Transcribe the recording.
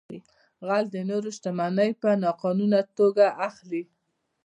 غل د نورو شتمنۍ په ناقانونه توګه اخلي